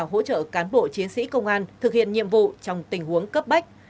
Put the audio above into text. hỗ trợ cán bộ chiến sĩ công an thực hiện nhiệm vụ trong tình huống cấp bách